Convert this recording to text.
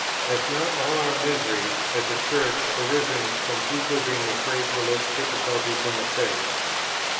"Has not all our misery, as a Church, arisen from people being afraid to look difficulties in the face?